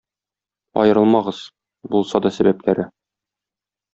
Аерылмагыз, булса да сәбәпләре